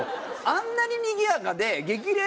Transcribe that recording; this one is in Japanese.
あんなににぎやかで。